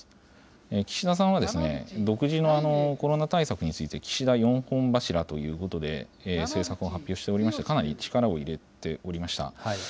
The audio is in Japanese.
岸田さんは、独自のコロナ対策について、岸田４本柱ということで、政策を発表しておりまして、かなり力を入れておりました。